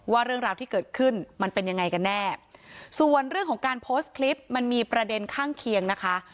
เรื่องราวที่เกิดขึ้นมันเป็นยังไงกันแน่ส่วนเรื่องของการโพสต์คลิปมันมีประเด็นข้างเคียงนะคะ